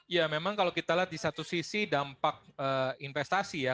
ya memang kalau kita lihat di satu sisi dampak investasi ya